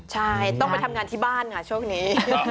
ใช่ต้องไปทำงานที่บ้านค่ะช่วงนี้